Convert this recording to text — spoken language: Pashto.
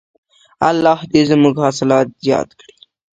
الله دې زموږ حاصلات زیات کړي.